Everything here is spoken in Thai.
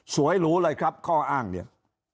หรูเลยครับข้ออ้างเนี่ย